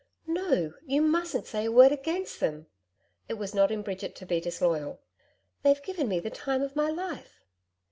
'No. You mustn't say a word against them.' It was not in Bridget to be disloyal. 'They've given me the time of my life.'